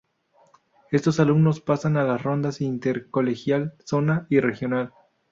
Estos alumnos pasan a las rondas: intercolegial, zonal y regional.